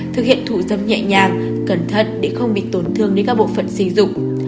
thực hiện thù dâm nhẹ nhàng cẩn thận để không bị tổn thương đến các bộ phận sử dụng